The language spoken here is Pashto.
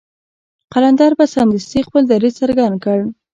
قلندر به سمدستي خپل دريځ څرګند کړ.